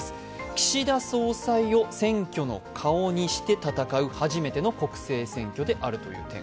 岸田総裁を選挙の顔にして戦う初めての国政選挙であるという点。